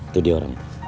tuh dia orangnya